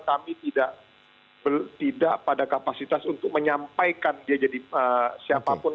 kami tidak pada kapasitas untuk menyampaikan dia jadi siapapun